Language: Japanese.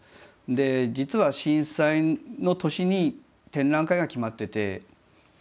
で実は震災の年に展覧会が決まってて美術館で。